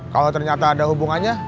kalau ternyata ada hubungannya